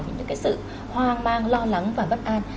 những cái sự hoang mang lo lắng và bất an